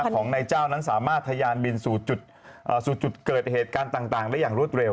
ของนายเจ้านั้นสามารถทะยานบินสู่จุดเกิดเหตุการณ์ต่างได้อย่างรวดเร็